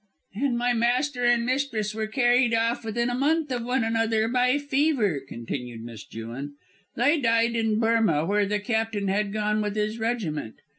"Then my master and mistress were carried off within a month of one another by fever," continued Miss Jewin. "They died in Burmah, where the Captain had gone with his regiment.